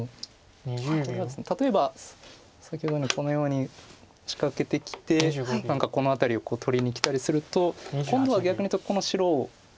これはですね例えば先ほどのようにこのように仕掛けてきて何かこの辺りを取りにきたりすると今度は逆にこの白を捨てて。